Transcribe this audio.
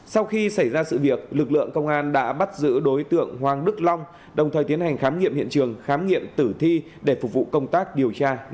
sau khi xảy ra sự việc lực lượng công an đã bắt giữ đối tượng hoàng đức long đồng thời tiến hành khám nghiệm hiện trường khám nghiệm tử thi để phục vụ công tác điều tra